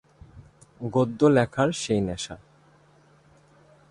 গদ্য লেখার সেই নেশা।